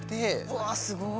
うわすごい。